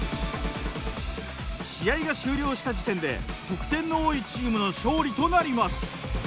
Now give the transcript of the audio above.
試合が終了した時点で得点の多いチームの勝利となります。